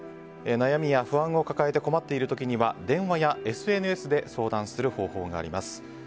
悩みや不安を抱えて困っている時には電話やＳＮＳで相談する方法があります。